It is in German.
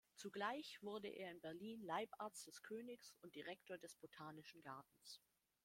Zugleich wurde er in Berlin Leibarzt des Königs und Direktor des Botanischen Gartens.